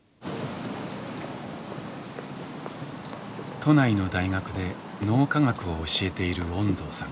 都内の大学で脳科学を教えている恩蔵さん。